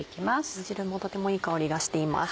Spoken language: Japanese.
煮汁もとてもいい香りがしています。